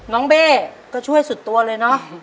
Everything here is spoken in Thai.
เบ้ก็ช่วยสุดตัวเลยเนอะ